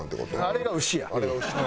あれが牛や！